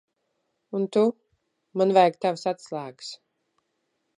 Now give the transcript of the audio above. Un tu. Man vajag tavas atslēgas.